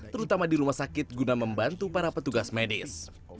terutama di rumah sakit guna membantu para petugas medis